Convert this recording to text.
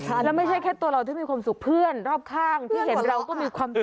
แล้วไม่ใช่แค่ตัวเราที่มีความสุขเพื่อนรอบข้างที่เห็นเราก็มีความสุข